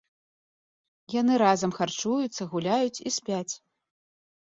Яны разам харчуюцца, гуляюць і спяць.